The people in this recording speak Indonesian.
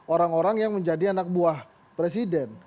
orang orang yang menjadi anak buah presiden